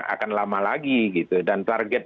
akan lama lagi gitu dan target